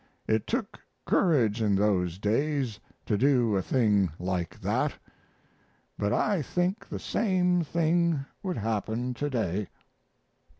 It took courage in those days to do a thing like that; but I think the same thing would happen to day."